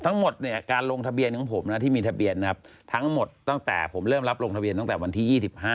ทั้งหมดเนี่ยการลงทะเบียนของผมนะที่มีทะเบียนนะครับทั้งหมดตั้งแต่ผมเริ่มรับลงทะเบียนตั้งแต่วันที่๒๕